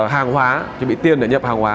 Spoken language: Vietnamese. hàng hóa chuẩn bị tiền để nhập hàng hóa